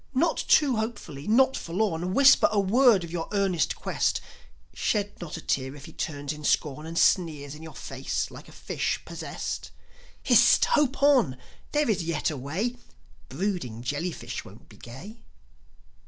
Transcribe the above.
Not too hopefully, not forlorn, Whisper a word of your earnest quest; Shed not a tear if he turns in scorn And sneers in your face like a fish possessed. Hist! Hope on! There is yet a way. Brooding jellyfish won't be gay.